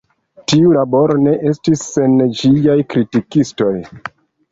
Tiu laboro ne estis sen ĝiaj kritikistoj.